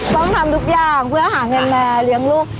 ต้องทำทุกอย่างเพื่อหาเงินมาเลี้ยงลูก